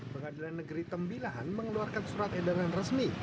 pengadilan negeri tembilahan mengeluarkan surat edaran resmi